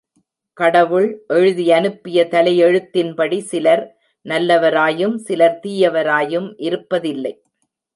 கடவுள் எழுதியனுப்பிய தலையெழுத்தின்படி சிலர் நல்லவராயும் சிலர் தீயவராயும் இருப்பதில்லை.